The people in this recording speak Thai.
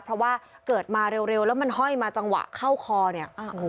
เพราะว่าเกิดมาเร็วแล้วมันห้อยมาจังหวะเข้าคอเนี่ยโอ้โห